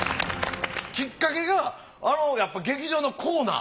きっかけがあの劇場のコーナー？